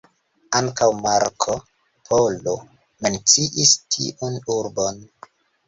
Ankaŭ Marko Polo menciis tiun urbon.